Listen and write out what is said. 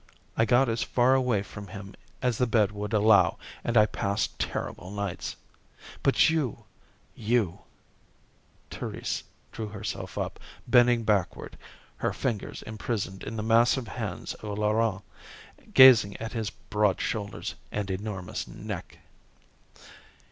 I got as far away from him as the bed would allow, and I passed terrible nights. But you, you " Thérèse drew herself up, bending backward, her fingers imprisoned in the massive hands of Laurent, gazing at his broad shoulders, and enormous neck.